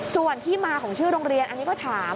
ส่วนที่มาของชื่อโรงเรียนอันนี้ก็ถาม